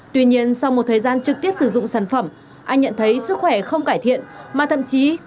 tuy nhiên sau một thời gian trực tiếp sử dụng sản phẩm